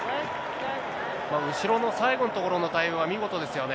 後ろの最後のところの対応は見事ですよね。